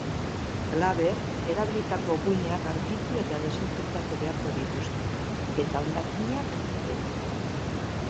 Halaber, erabilitako guneak garbitu eta desinfektatu beharko dituzte, eta hondakinak kendu.